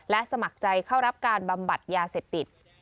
สมัครใจเข้ารับการบำบัดยาเสพติด